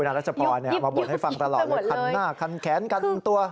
คุณอาจจะพอมาบทให้ฟังตลอดเลยคันหน้าคันแขนคันตัว